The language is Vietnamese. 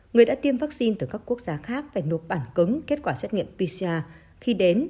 người đã tiêm vaccine từ các quốc gia khác phải nộp bản cứng kết quả xét nghiệm pcr khi đến